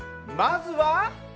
まずは。